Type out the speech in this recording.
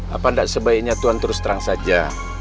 apa enggak sebaiknya tuan terus terang saja